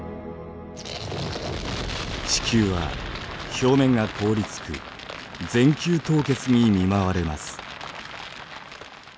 地球は表面が凍りつく全球凍結に見舞われます。